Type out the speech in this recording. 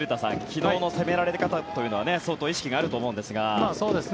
昨日の攻められ方というのは相当意識があると思うんですが。